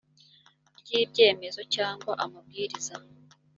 ry ibyemezo cyangwa amabwiriza